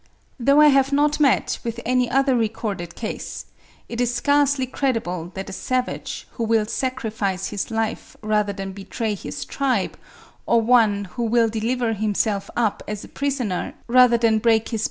Though I have not met with any other recorded case, it is scarcely credible that a savage, who will sacrifice his life rather than betray his tribe, or one who will deliver himself up as a prisoner rather than break his parole (6.